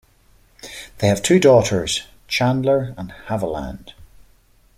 They have two daughters, Chandler and Haviland.